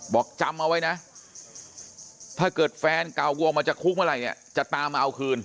จำเอาไว้นะถ้าเกิดแฟนเก่ากูออกมาจากคุกเมื่อไหร่เนี่ยจะตามมาเอาคืน